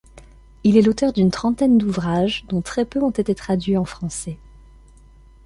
Il est l'auteur d'une trentaine d'ouvrages, dont très peu ont été traduits en français.